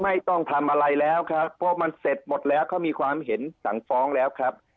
ไม่ต้องทำอะไรแล้วครับเพราะมันเสร็จหมดแล้วเขามีความเห็นสั่งฟ้องแล้วครับ